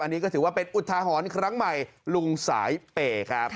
อันนี้ก็ถือว่าเป็นอุทาหรณ์ครั้งใหม่ลุงสายเปย์ครับ